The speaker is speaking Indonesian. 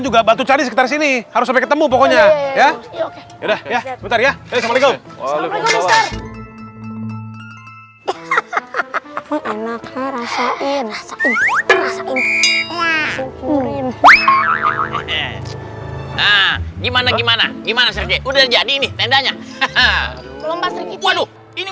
juga bantu cari sekitar sini harus sampai ketemu pokoknya ya udah ya bentar ya assalamualaikum